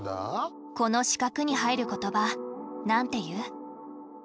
この四角に入る言葉なんて言う？